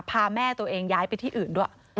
พาแม่ตัวเองย้ายไปที่อื่นด้วย